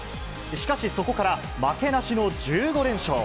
しかし、そこから負けなしの１５連勝。